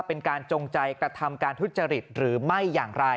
เป็นการจงใจกระทำการทุจริตหรือไม่อย่างไร